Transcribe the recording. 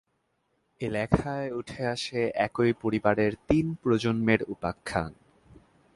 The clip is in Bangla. এ লেখায় উঠে আসে একই পরিবারের তিন প্রজন্মের উপাখ্যান।